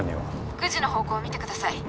９時の方向見てください